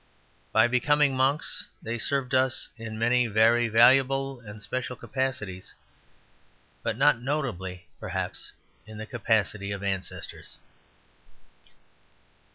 By becoming monks they served us in many very valuable and special capacities, but not notably, perhaps, in the capacity of ancestors.